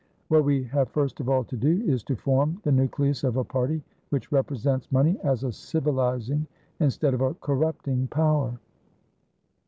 What we have first of all to do is to form the nucleus of a party which represents money as a civilising, instead of a corrupting, power."